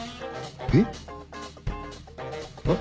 えっ？